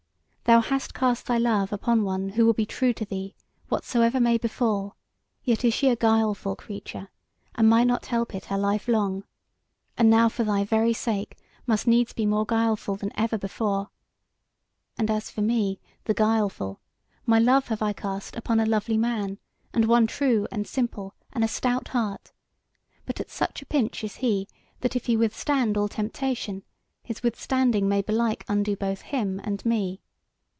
Thou hast cast thy love upon one who will be true to thee, whatsoever may befall; yet is she a guileful creature, and might not help it her life long, and now for thy very sake must needs be more guileful now than ever before. And as for me, the guileful, my love have I cast upon a lovely man, and one true and simple, and a stout heart; but at such a pinch is he, that if he withstand all temptation, his withstanding may belike undo both him and me.